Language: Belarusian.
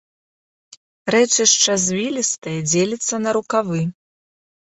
Рэчышча звілістае, дзеліцца на рукавы.